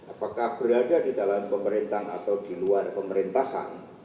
apakah berada di dalam pemerintahan atau di luar pemerintahan